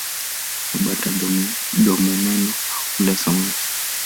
Mabata-domomeno hula samaki.